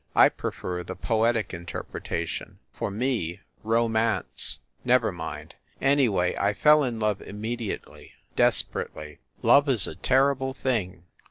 ... I prefer the poetic interpretation ... "for me, Romance!" ... never mind! ... Anyway, I fell in love immediately, desperately. Love is a ter rible thing